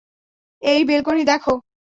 এই বেলকনি দেখো।